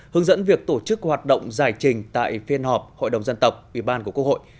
hướng dẫn việc tổ chức hoạt động giải trình tại phiên họp hội đồng dân tộc ủy ban của quốc hội